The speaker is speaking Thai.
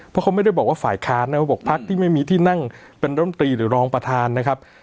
เพราะเขาไม่ได้บอกว่าฝ่ายค้านนะเขาบอกพักที่ไม่มีที่นั่งเป็นร่มตรีหรือรองประธานนะครับ